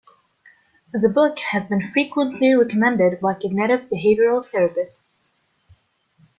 The book has been frequently recommended by cognitive behavioural therapists.